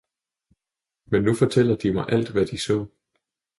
men nu fortæller De mig alt hvad De så!